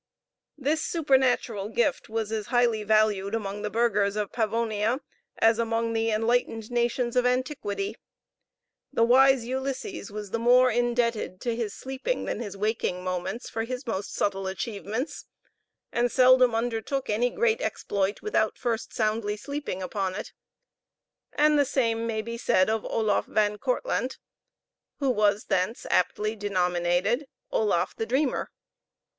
This supernatural gift was as highly valued among the burghers of Pavonia as among the enlightened nations of antiquity. The wise Ulysses was more indebted to his sleeping than his waking moments for his most subtle achievements, and seldom undertook any great exploit without first soundly sleeping upon it; and the same may be said of Oloffe Van Kortlandt, who was thence aptly denominated Oloffe the Dreamer.